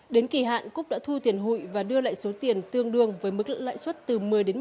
đến kỳ hạn cúc đã thu tiền hụi và đưa lại số tiền tương đương với mức lượng lãi suất từ một mươi một mươi